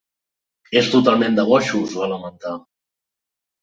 És totalment de bojos, va lamentar.